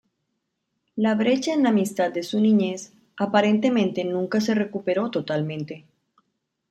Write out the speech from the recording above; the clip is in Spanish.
La brecha en la amistad de su niñez aparentemente nunca se recuperó totalmente.